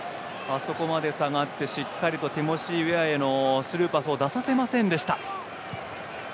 あそこまで下がってしっかりとティモシー・ウェアへのスルーパスを出させませんでした。